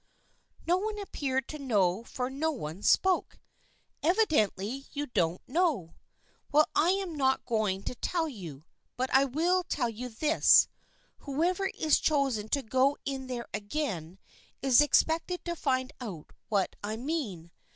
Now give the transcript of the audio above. No one appeared to know for no one spoke. " Evidently you don't know. Well, I am not going to tell you, but I will tell you this. Who ever is chosen to go in there again is expected to find out what I mean.